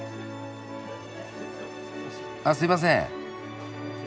あっすいません。